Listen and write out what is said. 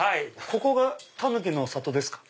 ここがタヌキの里ですか？